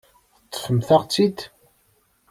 Teṭṭfemt-aɣ-tt-id.